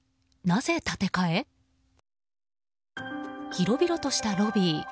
広々としたロビー。